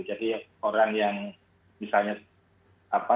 jadi orang yang misalnya